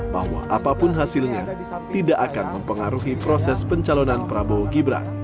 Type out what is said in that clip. bahwa apapun hasilnya tidak akan mempengaruhi proses pencalonan prabowo gibran